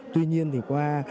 tuy nhiên thì qua